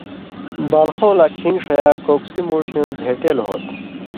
بالخؤں لا کِھن٘گ ݜیا کوکسی مُوٹھیُوں بھېٹېل ہوتھہ۔